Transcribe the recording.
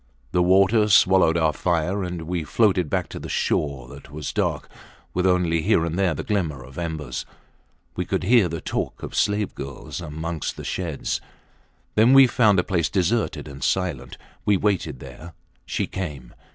The water swallowed our fire, and we floated back to the shore that was dark with only here and there the glimmer of embers. We could hear the talk of slave girls amongst the sheds. Then we found a place deserted and silent. We waited there. She came.